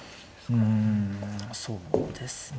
うんそうですね。